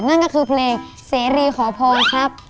นั่นก็คือเพลงเสรีขอพรครับ